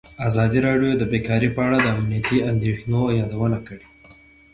ازادي راډیو د بیکاري په اړه د امنیتي اندېښنو یادونه کړې.